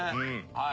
はい。